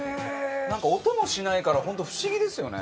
なんか音もしないから本当不思議ですよね。